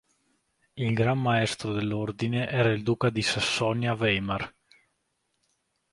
Il gran maestro dell'ordine era il duca di Sassonia-Weimar.